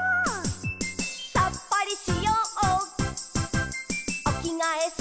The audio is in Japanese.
「さっぱりしようおきがえすっきり」